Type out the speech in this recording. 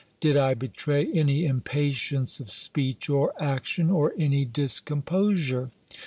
did I betray any impatience of speech or action, or any discomposure?